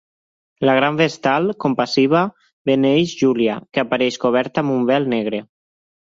La Gran Vestal, compassiva, beneeix Júlia, que apareix coberta amb un vel negre.